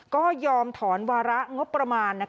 ก็ยอมถอนวาระงบประมาณ